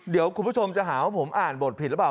เดี๋ยวคุณผู้ชมจะหาว่าผมอ่านบทผิดหรือเปล่า